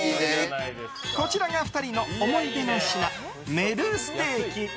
こちらが２人の思い出の品メルステーキ。